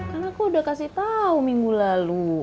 karena aku udah kasih tau minggu lalu